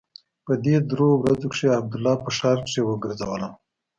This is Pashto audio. په دې درېو ورځو کښې عبدالله په ښار کښې وګرځولم.